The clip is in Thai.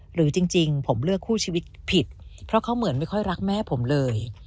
หรือจริงผมเลือกคู่ชีวิตผิดเพราะเขาเหมือนไม่ค่อยรักแม่ผมเลย